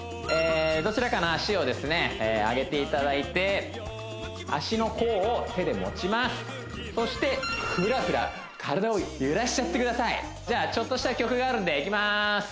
どちらかの脚をあげていただいて足の甲を手で持ちますそしてフラフラ体を揺らしちゃってくださいじゃあちょっとした曲があるんでいきます